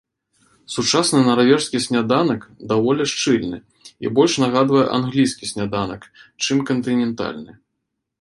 Сучасны нарвежскі сняданак даволі шчыльны і больш нагадвае англійскі сняданак, чым кантынентальны.